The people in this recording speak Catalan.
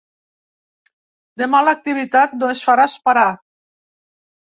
Demà l’activitat no es farà esperar.